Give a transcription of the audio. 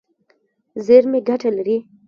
زیرمې ګټه لري.